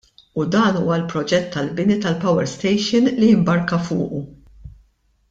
U dan huwa l-proġett tal-bini tal-power station li mbarka fuqu.